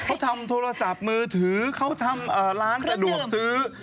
เขาทำโทรศัพท์มือถือเขาทำร้านสะดวกซื้อ